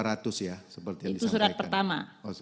itu surat pertama